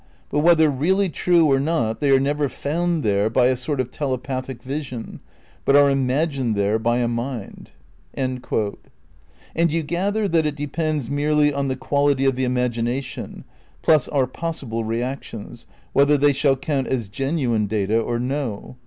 But whether really true or not they are never found there by a sort of telepathic vision, but are imagined there by a mind." ' And you gather that it depends merely on the quality of the imagination (plus our possible reactions) whether they shall coixnt as genuine data or no.